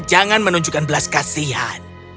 jangan menunjukkan belas kasihan